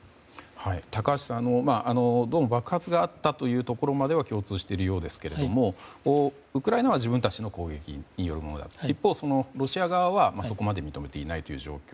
高橋さん、どうも爆発があったというところまでは共通しているようですがウクライナは自分たちの攻撃によるものだと一方、ロシア側はそこまで認めていないという状況